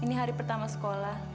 ini hari pertama sekolah